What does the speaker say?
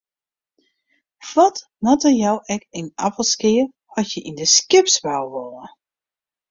Wat moatte je ek yn Appelskea at je yn de skipsbou wolle?